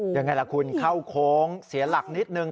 ยังไงล่ะคุณเข้าโค้งเสียหลักนิดนึง